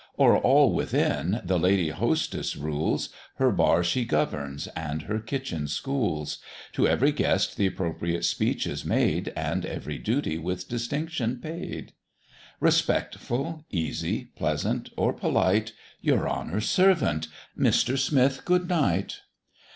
O'er all within the lady hostess rules, Her bar she governs, and her kitchen schools; To every guest th' appropriate speech is made, And every duty with distinction paid; Respectful, easy, pleasant, or polite "Your honour's servant" "Mister Smith, good night."